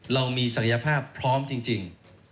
เรามีศักยภาพพร้อมจริง